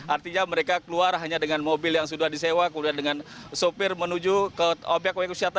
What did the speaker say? artinya mereka keluar hanya dengan mobil yang sudah disewa kemudian dengan sopir menuju ke obyek obyek wisata